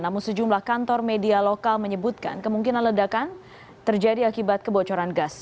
namun sejumlah kantor media lokal menyebutkan kemungkinan ledakan terjadi akibat kebocoran gas